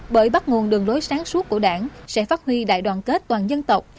bởi bắt nguồn đường lối sáng suốt của đảng sẽ phát huy đại đoàn kết toàn dân tộc